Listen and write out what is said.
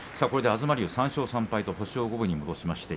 東龍、３勝３敗と星を五分に戻しました。